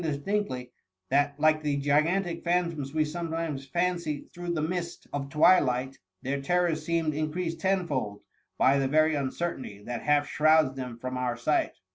distinctly, that, like the gigantic phantoms we sometimes fancy through the mist of twilight, their terrors seemed increased tenfold by the very uncertainty that half shrouds them from our sight.